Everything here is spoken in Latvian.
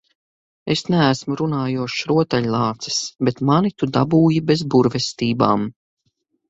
Es neesmu runājošs rotaļlācis, bet mani tu dabūji bez burvestībām.